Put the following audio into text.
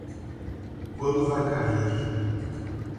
Quando vai cair?